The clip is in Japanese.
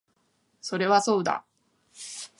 それはそうだ